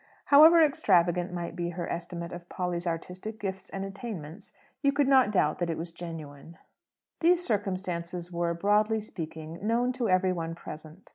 However extravagant might be her estimate of Polly's artistic gifts and attainments, you could not doubt that it was genuine. These circumstances were, broadly speaking, known to every one present.